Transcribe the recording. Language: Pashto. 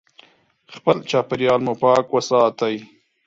خپل چاپیریال مو پاک وساتئ.